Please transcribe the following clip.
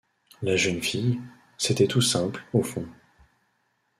La jeune fille — C'était tout simple, au fond.